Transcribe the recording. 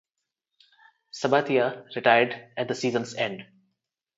Sabathia retired at the season’s end.